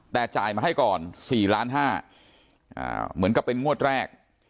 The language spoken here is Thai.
แต่จ่ายมาให้ก่อน๔ล้าน๕เหมือนกับเป็นงวดแรก